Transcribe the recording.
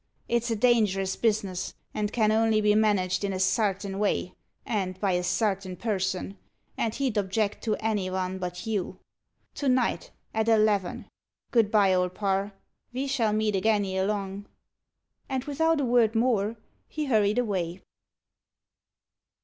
It's a dangerous bus'ness, and can only be managed in a sartin way, and by a sartin person, and he'd object to any von but you. To night, at eleven! Good bye, Old Parr. Ve shall meet again ere long." And without a word more, he hurried away.